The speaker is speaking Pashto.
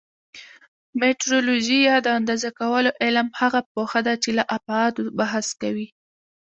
میټرولوژي یا د اندازه کولو علم هغه پوهه ده چې له ابعادو بحث کوي.